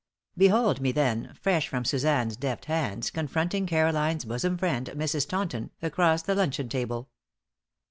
Behold me, then, fresh from Suzanne's deft hands, confronting Caroline's bosom friend, Mrs. Taunton, across the luncheon table.